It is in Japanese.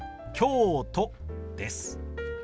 「京都」です。